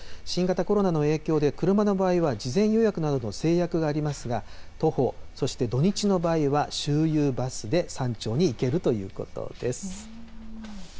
新型コロナの影響で、車の場合は事前予約などの制約がありますが、徒歩、そして土日の場合は、周遊バスで山頂に行けるということです。